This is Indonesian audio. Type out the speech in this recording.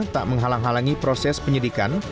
tak menghalang halangi proses penyidikan